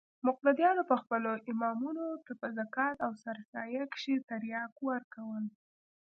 مقتديانو به خپلو امامانو ته په زکات او سرسايه کښې ترياک ورکول.